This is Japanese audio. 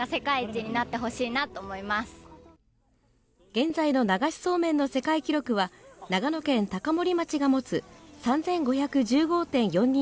現在の流しそうめんの世界記録は長野県高森町が持つ３５１５．４２